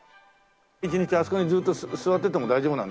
一日あそこにずっと座ってても大丈夫なんだもんね。